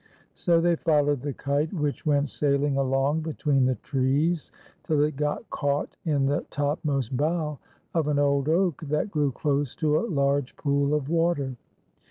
So they followed the kite, which went sailing along between the trees, till it got caught in the topmost bough of an old oak that grew close to a large pool of water.